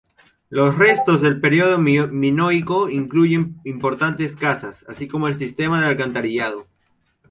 Los restos del periodo minoico incluyen importantes casas así como el sistema de alcantarillado.